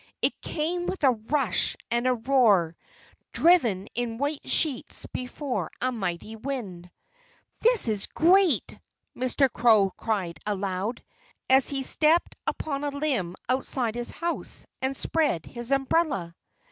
It came with a rush and a roar, driven in white sheets before a mighty wind. "This is great!" Mr. Crow cried aloud, as he stepped upon a limb outside his house and spread his umbrella.